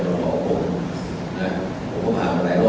ตัวสอบได้